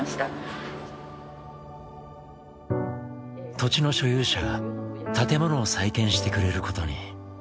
土地の所有者が建物を再建してくれることに。